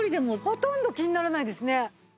ほとんど気にならないですね。